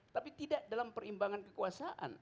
tapi tidak dalam perimbangan kekuasaan